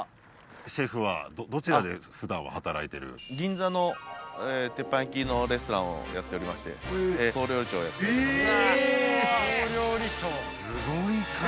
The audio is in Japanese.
シェフは普段は銀座の鉄板焼きのレストランをやっておりまして総料理長をやっております・へえ